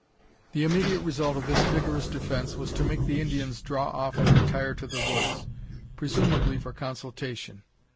The immediate result of this vigorous defence was to make the Indians draw off and retire to the woods presumably for consultation.